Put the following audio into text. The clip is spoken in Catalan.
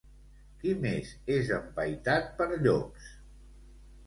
Qui més és empaitat per llops?